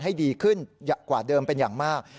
ให้ดีขึ้นกว่าเดิมเป็นอย่างมาก